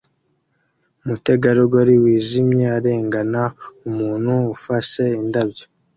Umutegarugori wijimye arengana umuntu ufashe indabyo